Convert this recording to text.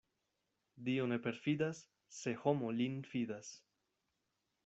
Dio ne perfidas, se homo lin fidas.